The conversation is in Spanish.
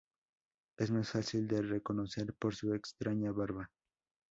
Es más fácil de reconocer por su extraña barba.